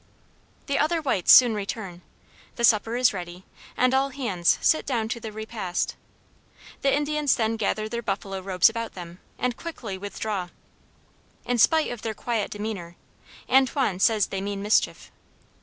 The other whites soon return, the supper is ready, and all hands sit down to the repast. The Indians then gather their buffalo robes about them and quickly withdraw. In spite of their quiet demeanor, Antoine says they mean mischief.